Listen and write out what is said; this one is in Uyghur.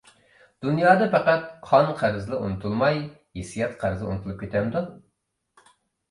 دۇنيادا پەقەت قان-قەرزلا ئۇنتۇلماي، ھېسسىيات قەرزى ئۇنتۇلۇپ كېتەمدۇ؟